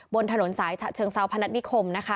บนถนนสายฉะเชิงเซาพนัฐนิคมนะคะ